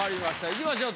いきましょう。